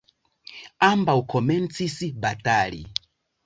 Ambaŭ komencis batali.